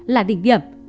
là đỉnh điểm